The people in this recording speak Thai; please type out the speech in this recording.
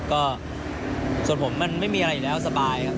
ก็ส่วนผมมันไม่มีอะไรอยู่แล้วสบายครับ